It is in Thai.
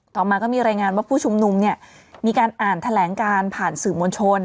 ต่อมาก็มีรายงานว่าผู้ชุมนุมเนี่ยมีการอ่านแถลงการผ่านสื่อมวลชน